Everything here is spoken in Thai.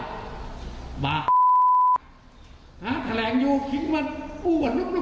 หิงยายาสระแบบนี้ตีอื่นฮะขอร้องหิงเลย